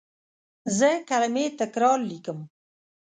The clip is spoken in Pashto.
زه کلمې تکرار لیکم.